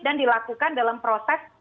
dan dilakukan dalam proses